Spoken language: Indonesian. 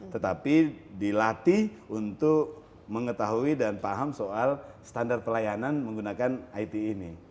tetapi dilatih untuk mengetahui dan paham soal standar pelayanan menggunakan it ini